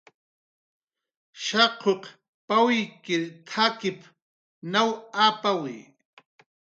"Shaq wurrikunq pawykir t""akip naw apawi."